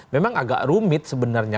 memang agak rumit sebenarnya